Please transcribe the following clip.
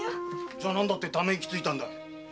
じゃ何だって溜め息をついたんだ。